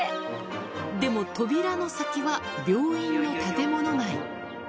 でも扉の先は病院の建物内。